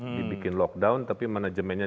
dibikin lockdown tapi manajemennya